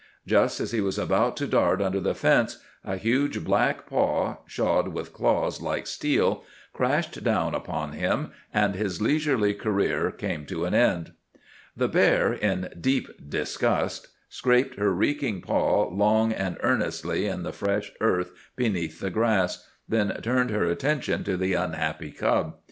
Just as he was about to dart under the fence, a huge black paw, shod with claws like steel, crashed down upon him, and his leisurely career came to an end. The bear, in deep disgust, scraped her reeking paw long and earnestly in the fresh earth beneath the grass, then turned her attention to the unhappy cub.